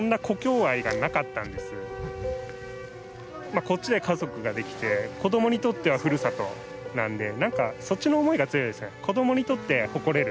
まあこっちで家族ができて子どもにとってはふるさとなのでなんかそっちの思いが強いですね。